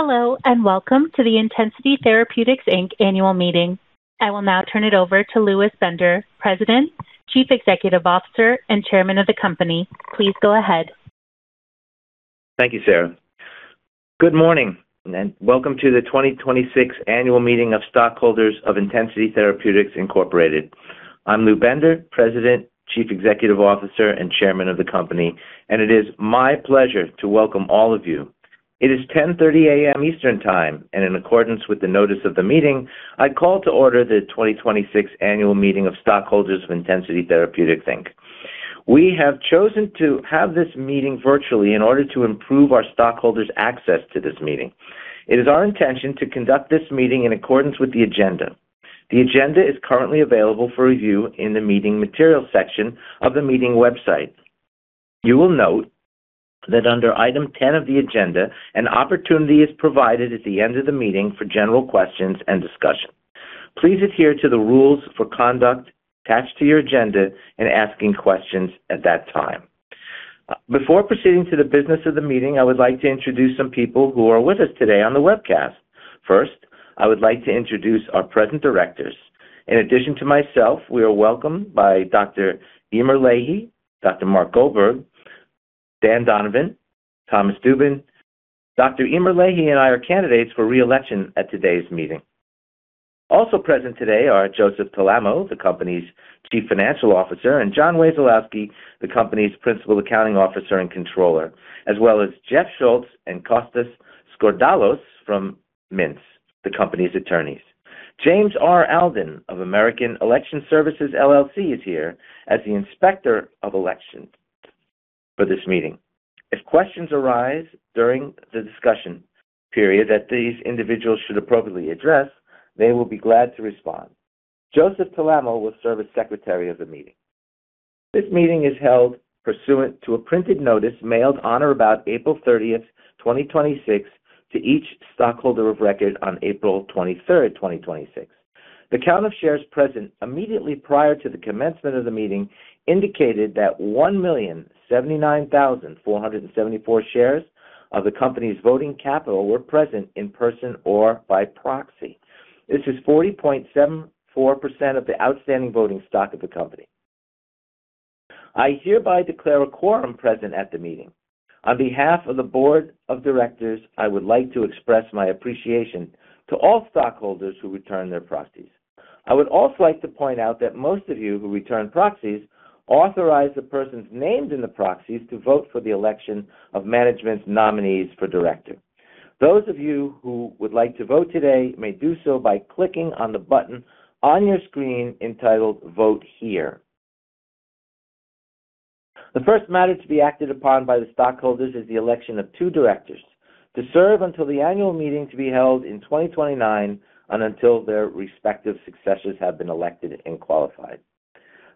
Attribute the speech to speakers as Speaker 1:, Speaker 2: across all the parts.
Speaker 1: Hello, welcome to the Intensity Therapeutics, Inc. annual meeting. I will now turn it over to Lewis Bender, President, Chief Executive Officer, and Chairman of the company. Please go ahead.
Speaker 2: Thank you, Sarah. Good morning, welcome to the 2026 annual meeting of stockholders of Intensity Therapeutics Incorporated. I'm Lew Bender, President, Chief Executive Officer, and Chairman of the company, it is my pleasure to welcome all of you. It is 10:30 A.M. Eastern Time, in accordance with the notice of the meeting, I call to order the 2026 annual meeting of stockholders of Intensity Therapeutics, Inc. We have chosen to have this meeting virtually in order to improve our stockholders' access to this meeting. It is our intention to conduct this meeting in accordance with the agenda. The agenda is currently available for review in the Meeting Materials section of the meeting website. You will note that under Item 10 of the agenda, an opportunity is provided at the end of the meeting for general questions and discussion. Please adhere to the rules for conduct attached to your agenda in asking questions at that time. Before proceeding to the business of the meeting, I would like to introduce some people who are with us today on the webcast. First, I would like to introduce our present directors. In addition to myself, we are welcomed by Dr. Emer Leahy, Dr. Mark Goldberg, Dan Donovan, Thomas Dubin. Dr. Emer Leahy and I are candidates for re-election at today's meeting. Also present today are Joseph Talamo, the company's Chief Financial Officer, John Wesolowski, the company's Principal Accounting Officer and Controller, as well as Jeff Schultz and Kostas Skordalos from Mintz, the company's attorneys. James R. Alden of American Election Services, LLC is here as the Inspector of Election for this meeting. If questions arise during the discussion period that these individuals should appropriately address, they will be glad to respond. Joseph Talamo will serve as Secretary of the meeting. This meeting is held pursuant to a printed notice mailed on or about April 30, 2026, to each stockholder of record on April 23, 2026. The count of shares present immediately prior to the commencement of the meeting indicated that 1,079,474 shares of the company's voting capital were present in person or by proxy. This is 40.74% of the outstanding voting stock of the company. I hereby declare a quorum present at the meeting. On behalf of the board of directors, I would like to express my appreciation to all stockholders who returned their proxies. I would also like to point out that most of you who returned proxies authorized the persons named in the proxies to vote for the election of management's nominees for director. Those of you who would like to vote today may do so by clicking on the button on your screen entitled Vote Here. The first matter to be acted upon by the stockholders is the election of two directors to serve until the annual meeting to be held in 2029 and until their respective successors have been elected and qualified.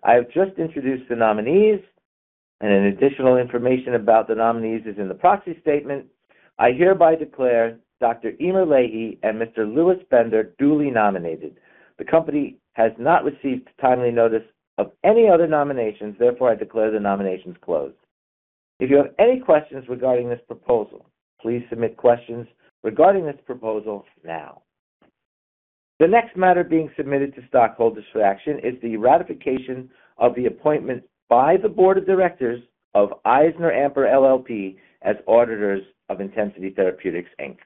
Speaker 2: I have just introduced the nominees and any additional information about the nominees is in the proxy statement. I hereby declare Dr. Emer Leahy and Mr. Lewis Bender duly nominated. The company has not received timely notice of any other nominations, therefore, I declare the nominations closed. If you have any questions regarding this proposal, please submit questions regarding this proposal now. The next matter being submitted to stockholders for action is the ratification of the appointment by the board of directors of EisnerAmper LLP as auditors of Intensity Therapeutics, Inc.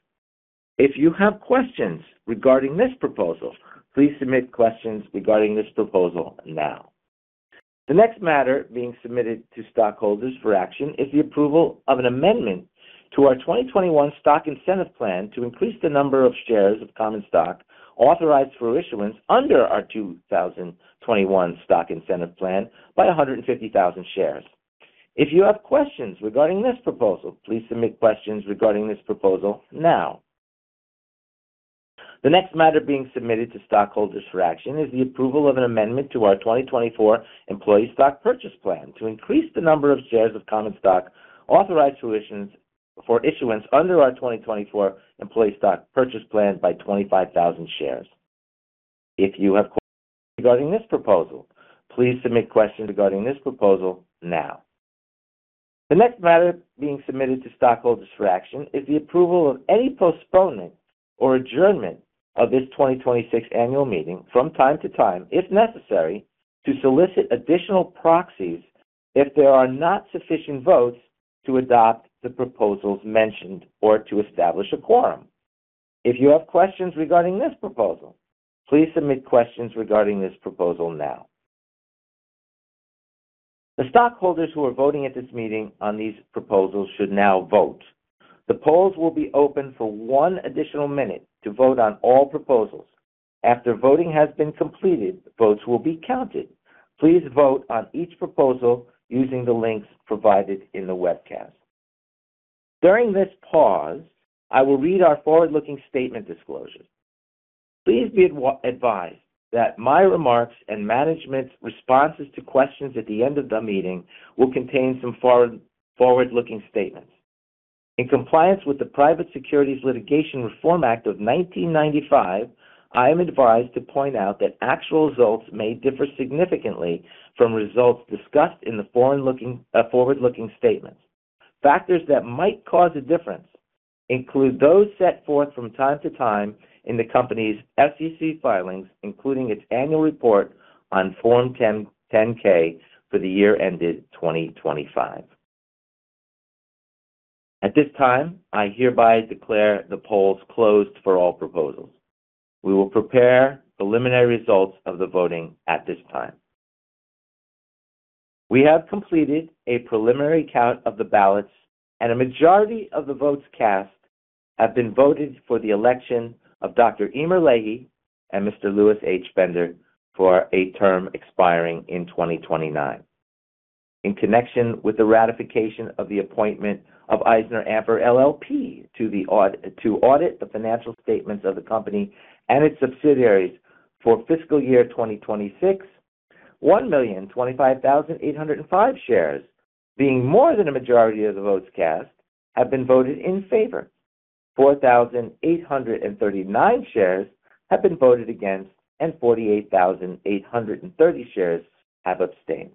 Speaker 2: If you have questions regarding this proposal, please submit questions regarding this proposal now. The next matter being submitted to stockholders for action is the approval of an amendment to our 2021 Stock Incentive Plan to increase the number of shares of common stock authorized for issuance under our 2021 Stock Incentive Plan by 150,000 shares. If you have questions regarding this proposal, please submit questions regarding this proposal now. The next matter being submitted to stockholders for action is the approval of an amendment to our 2024 Employee Stock Purchase Plan to increase the number of shares of common stock authorized for issuance under our 2024 Employee Stock Purchase Plan by 25,000 shares. If you have questions regarding this proposal, please submit questions regarding this proposal now. The next matter being submitted to stockholders for action is the approval of any postponement or adjournment of this 2026 annual meeting from time to time, if necessary, to solicit additional proxies if there are not sufficient votes to adopt the proposals mentioned or to establish a quorum. If you have questions regarding this proposal, please submit questions regarding this proposal now. The stockholders who are voting at this meeting on these proposals should now vote. The polls will be open for one additional minute to vote on all proposals. After voting has been completed, votes will be counted. Please vote on each proposal using the links provided in the webcast. During this pause, I will read our forward-looking statement disclosure. Please be advised that my remarks and management's responses to questions at the end of the meeting will contain some forward-looking statements. In compliance with the Private Securities Litigation Reform Act of 1995, I am advised to point out that actual results may differ significantly from results discussed in the forward-looking statements. Factors that might cause a difference include those set forth from time to time in the company's SEC filings, including its annual report on Form 10-K for the year ended 2025. At this time, I hereby declare the polls closed for all proposals. We will prepare preliminary results of the voting at this time. We have completed a preliminary count of the ballots, and a majority of the votes cast have been voted for the election of Dr. Emer Leahy and Mr. Lewis H. Bender for a term expiring in 2029. In connection with the ratification of the appointment of EisnerAmper LLP to audit the financial statements of the company and its subsidiaries for fiscal year 2026, 1,025,805 shares, being more than a majority of the votes cast, have been voted in favor, 4,839 shares have been voted against, 48,830 shares have abstained.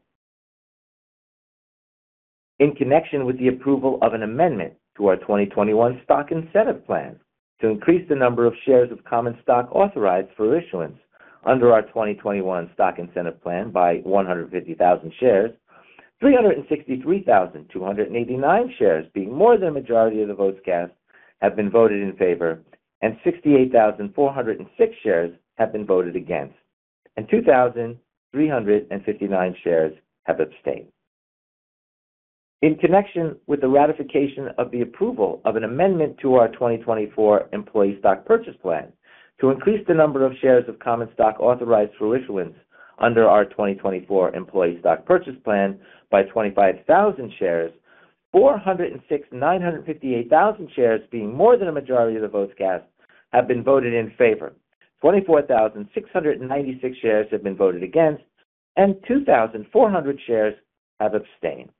Speaker 2: In connection with the approval of an amendment to our 2021 Stock Incentive Plan to increase the number of shares of common stock authorized for issuance under our 2021 Stock Incentive Plan by 150,000 shares, 363,289 shares, being more than a majority of the votes cast, have been voted in favor, 68,406 shares have been voted against, 2,359 shares have abstained. In connection with the ratification of the approval of an amendment to our 2024 Employee Stock Purchase Plan to increase the number of shares of common stock authorized for issuance under our 2024 Employee Stock Purchase Plan by 25,000 shares, 406,958 shares, being more than a majority of the votes cast, have been voted in favor, 24,696 shares have been voted against, 2,400 shares have abstained.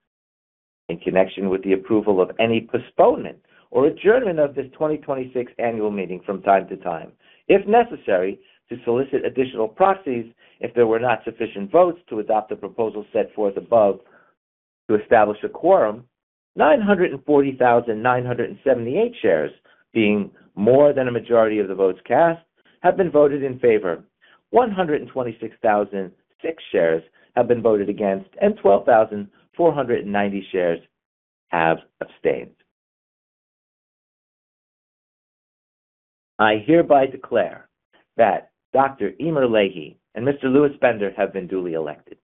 Speaker 2: In connection with the approval of any postponement or adjournment of this 2026 annual meeting from time to time, if necessary, to solicit additional proxies, if there were not sufficient votes to adopt the proposal set forth above to establish a quorum, 940,978 shares, being more than a majority of the votes cast, have been voted in favor, 126,006 shares have been voted against, 12,490 shares have abstained. I hereby declare that Dr. Emer Leahy and Mr. Lewis Bender have been duly elected,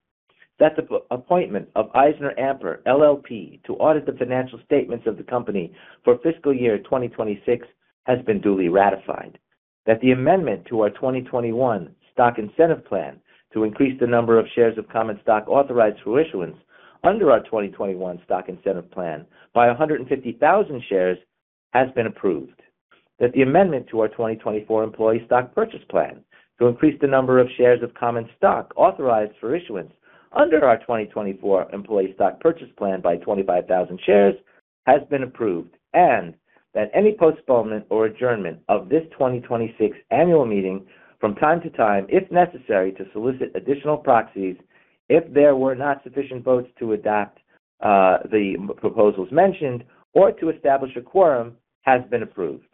Speaker 2: that the appointment of EisnerAmper LLP to audit the financial statements of the company for fiscal year 2026 has been duly ratified, that the amendment to our 2021 Stock Incentive Plan to increase the number of shares of common stock authorized for issuance under our 2021 Stock Incentive Plan by 150,000 shares has been approved, that the amendment to our 2024 Employee Stock Purchase Plan to increase the number of shares of common stock authorized for issuance under our 2024 Employee Stock Purchase Plan by 25,000 shares has been approved, that any postponement or adjournment of this 2026 annual meeting from time to time, if necessary, to solicit additional proxies, if there were not sufficient votes to adopt the proposals mentioned or to establish a quorum, has been approved.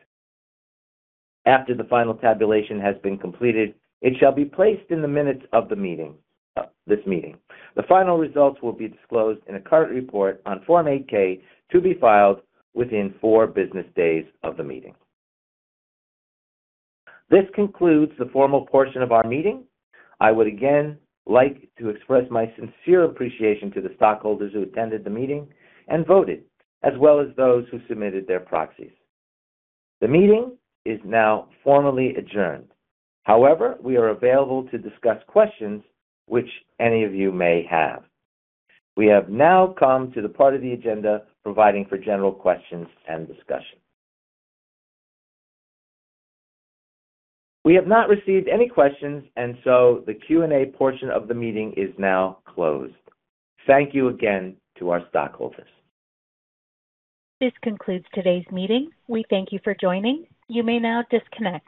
Speaker 2: After the final tabulation has been completed, it shall be placed in the minutes of this meeting. The final results will be disclosed in a current report on Form 8-K to be filed within four business days of the meeting. This concludes the formal portion of our meeting. I would again like to express my sincere appreciation to the stockholders who attended the meeting and voted, as well as those who submitted their proxies. The meeting is now formally adjourned. However, we are available to discuss questions which any of you may have. We have now come to the part of the agenda providing for general questions and discussion. We have not received any questions, the Q&A portion of the meeting is now closed. Thank you again to our stockholders.
Speaker 1: This concludes today's meeting. We thank you for joining. You may now disconnect.